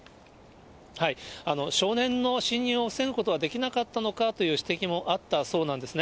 少年の侵入を防ぐことはできなかったのかという指摘もあったそうなんですね。